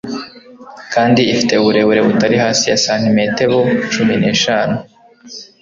kandi ifite uburebure butari hasi ya santimetebo cumi neshanu